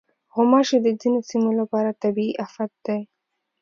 غوماشې د ځینو سیمو لپاره طبعي افت دی.